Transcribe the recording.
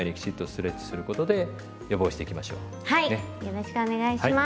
よろしくお願いします。